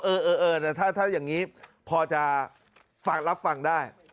เออเออเออถ้าถ้าอย่างงี้พ่อจะฝากรับฟังได้